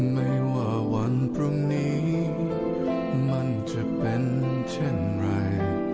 ไม่ว่าวันพรุ่งนี้มันจะเป็นเช่นไร